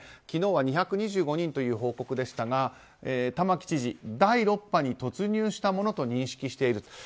昨日は２２５人という報告でしたが玉城知事、第６波に突入したものと認識している。